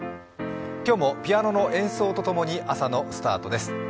今日もピアノの演奏とともにスタートです。